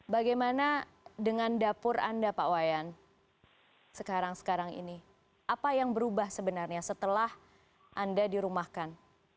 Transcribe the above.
bagaimana dengan dapur anda pak wayan sekarang sekarang ini apa yang berubah sebenarnya setelah anda dirumahkan